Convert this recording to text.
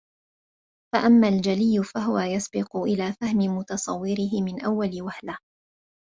فَأَمَّا الْجَلِيُّ فَهُوَ يَسْبِقُ إلَى فَهْمِ مُتَصَوِّرِهِ مِنْ أَوَّلِ وَهْلَةٍ